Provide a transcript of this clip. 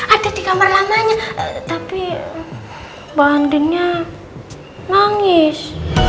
ada di kamar lamanya tapi mbak andinnya nangis